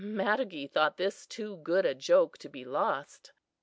Matogee thought this too good a joke to be lost.